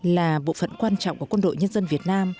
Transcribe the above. là bộ phận quan trọng của quân đội nhân dân việt nam